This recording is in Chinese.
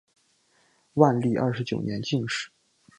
万历二十九年进士。